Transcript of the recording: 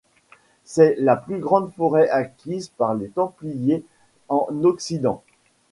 C'est la plus grande forêt acquise par les templiers en occident.